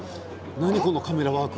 何このカメラワーク？